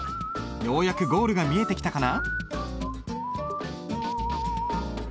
ようやくゴールが見えてきたかな？